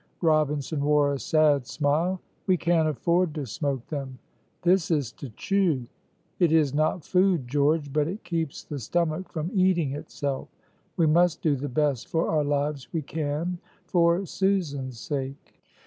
Robinson wore a sad smile. "We can't afford to smoke them; this is to chew; it is not food, George, but it keeps the stomach from eating itself. We must do the best for our lives we can for Susan's sake."